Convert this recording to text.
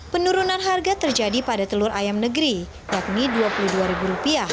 penurunan harga terjadi pada telur ayam negeri yakni rp dua puluh dua